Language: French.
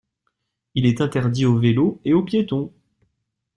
Il est interdit aux vélos et aux piétons.